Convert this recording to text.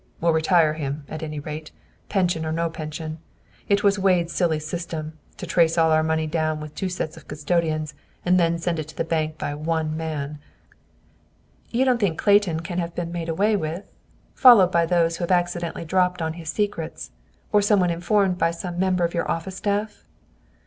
We'll retire him, at any rate, pension or no pension. It was Wade's silly system, to trace all our money down with two sets of custodians, and then send it to bank by ONE man!" "You don't think Clayton can have been made away with? Followed by those who have accidentally dropped on his secrets, or some one informed by some member of your office staff?"